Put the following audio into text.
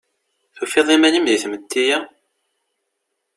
Tufiḍ iman-im di tmetti-a?